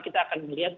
kita akan melihat